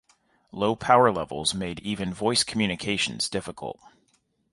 Low power levels made even voice communications difficult.